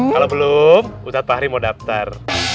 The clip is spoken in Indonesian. kalau belum ustadz fahri mau daftar